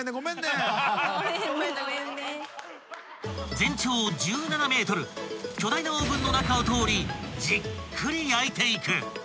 ［全長１７ｍ巨大なオーブンの中を通りじっくり焼いていく］